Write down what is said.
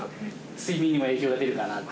睡眠にも影響が出るかなって。